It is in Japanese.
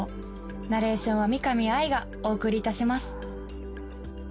ナレーションは見上愛がお送りいたします